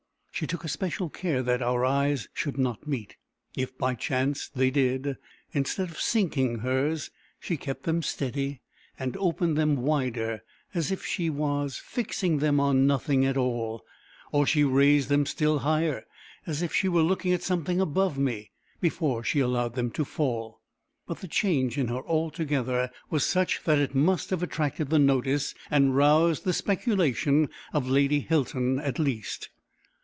She took especial care that our eyes should not meet. If by chance they did, instead of sinking hers, she kept them steady, and opened them wider, as if she was fixing them on nothing at all, or she raised them still higher, as if she was looking at something above me, before she allowed them to fall. But the change in her altogether was such that it must have attracted the notice and roused the speculation of Lady Hilton at least.